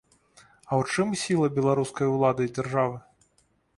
А ў чым сіла беларускай улады і дзяржавы?